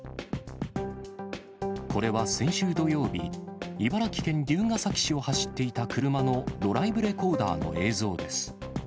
これは先週土曜日、茨城県龍ケ崎市を走っていた車のドライブレコーダーの映像です。